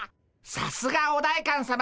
さすがお代官さま。